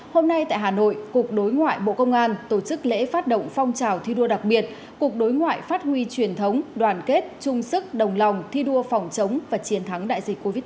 hôm nay tại hà nội cục đối ngoại bộ công an tổ chức lễ phát động phong trào thi đua đặc biệt cục đối ngoại phát huy truyền thống đoàn kết chung sức đồng lòng thi đua phòng chống và chiến thắng đại dịch covid một mươi chín